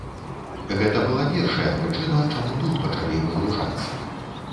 Гэта была першая прычына, чаму тут пачалі выгружацца.